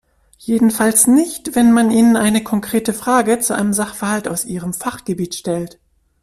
Jedenfalls nicht, wenn man ihnen eine konkrete Frage zu einem Sachverhalt aus ihrem Fachgebiet stellt.